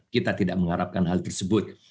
kita tidak mengharapkan hal tersebut